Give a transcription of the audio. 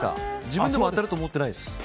自分でも当たると思ってないです。